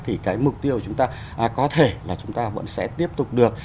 thì cái mục tiêu chúng ta có thể là chúng ta vẫn sẽ tiếp tục được